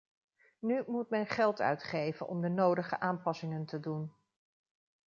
Nu moet men geld uitgeven om de nodige aanpassingen te doen.